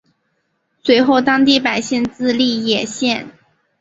随后当地百姓自立冶县。